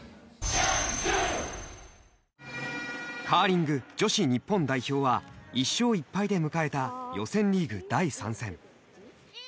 カーリング女子日本代表は１勝１敗で迎えた予選リーグ第３戦。